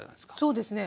そうですね。